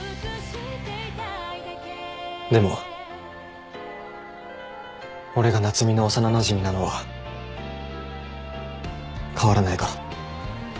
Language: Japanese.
でも俺が夏海の幼なじみなのは変わらないから。